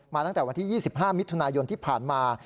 ตั้งแต่วันที่๒๕มิถุนายนที่ผ่านมา